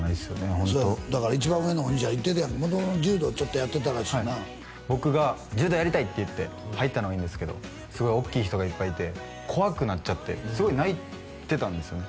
ホントだから一番上のお兄ちゃん言ってた元々柔道ちょっとやってたらしいな僕が「柔道やりたい」って言って入ったのはいいんですけどすごい大きい人がいっぱいいて怖くなっちゃってすごい泣いてたんですよね